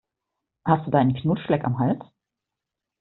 Hast du da einen Knutschfleck am Hals?